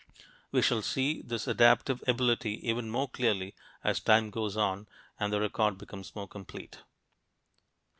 We shall see this adaptive ability even more clearly as time goes on and the record becomes more complete.